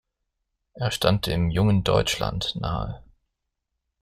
Er stand dem „Jungen Deutschland“ nahe.